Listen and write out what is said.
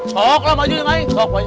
sok lah maju ke aing